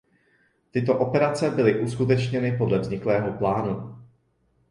Tyto operace byly uskutečněny podle vzniklého plánu.